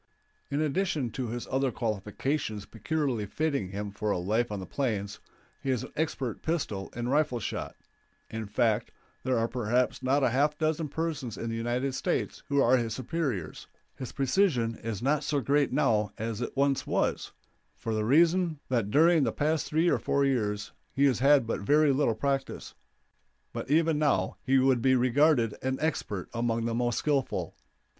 In addition to his other qualifications peculiarly fitting him for a life on the plains, he is an expert pistol and rifle shot; in fact, there are perhaps not a half dozen persons in the United States who are his superiors; his precision is not so great now as it once was, for the reason that during the past three or four years he has had but very little practice; but even now he would be regarded an expert among the most skillful.